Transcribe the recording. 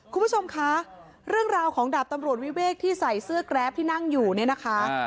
คุณผู้ชมคะเรื่องราวของดาบตำรวจวิเวกที่ใส่เสื้อแกรปที่นั่งอยู่เนี่ยนะคะ